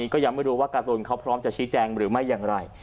ก็ยังไม่รู้ว่าการ์ตูนเขาพร้อมจะชี้แจงหรือไม่อย่างไร